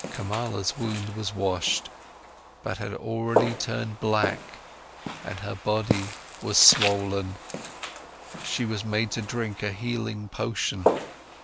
Kamala's wound was washed, but had already turned black and her body was swollen, she was made to drink a healing potion.